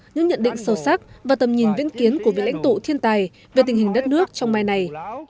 những nhận định sâu sắc và tầm nhìn viễn kiến của vị lãnh tụ thiên tài về tình hình đất nước trong mai này